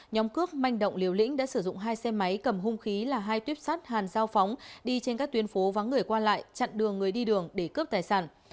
nhóm cướp manh động liều lĩnh đã sử dụng hai xe máy cầm hung khí là hai tuyếp sắt hàn giao phóng đi trên các tuyến phố vắng người qua lại chặn đường người đi đường để cướp tài sản